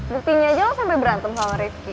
buktinya aja lo sampe berantem sama rifqi